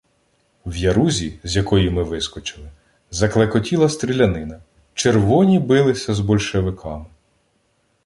В ярузі, з якої ми вискочили, заклекотіла стрілянина — червоні билися з большевиками.